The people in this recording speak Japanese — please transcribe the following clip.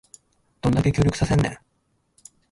どんだけ協力させんねん